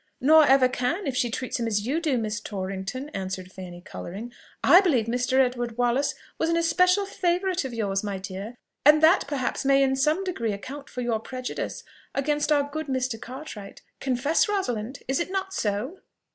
"Nor ever can, if she treats him as you do, Miss Torrington," answered Fanny, colouring. "I believe Mr. Edward Wallace was an especial favourite of yours, my dear; and that perhaps may in some degree account for your prejudice against our good Mr. Cartwright. Confess, Rosalind; is it not so?"